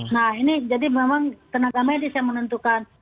nah ini jadi memang tenaga medis yang menentukan